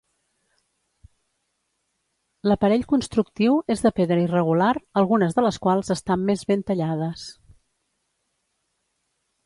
L'aparell constructiu és de pedra irregular, algunes de les quals estan més ben tallades.